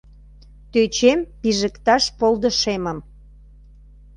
Тӧчем пижыкташ полдышемым